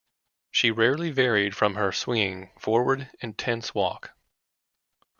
She rarely varied from her swinging, forward, intense walk.